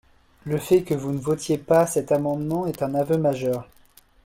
Le fait que vous ne votiez pas cet amendement est un aveu majeur